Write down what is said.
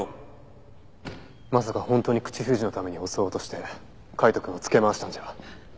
まさか本当に口封じのために襲おうとして海斗くんをつけ回したんじゃ？